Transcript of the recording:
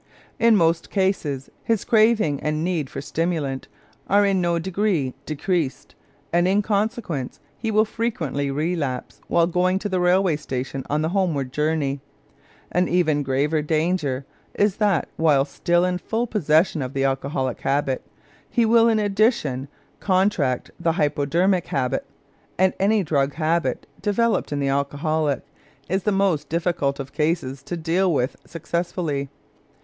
In most cases his craving and need for stimulant are in no degree decreased, and in consequence he will frequently relapse while going to the railway station on the homeward journey. An even graver danger is that, while still in full possession of the alcoholic habit, he will in addition contract the hypodermic habit, and any drug habit developed in the alcoholic is the most difficult of cases to deal with successfully.